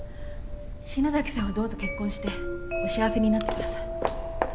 篠崎さんはどうぞ結婚してお幸せになってください。